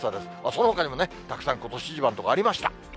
そのほかにもたくさんことし一番の所ありました。